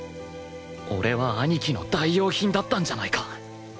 俺は兄貴の代用品だったんじゃないか！